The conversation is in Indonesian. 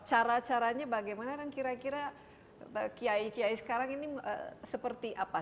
cara caranya bagaimana dan kira kira kiai kiai sekarang ini seperti apa